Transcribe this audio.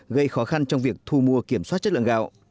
gây khó khăn trong việc thu mua kiểm soát chất lượng gạo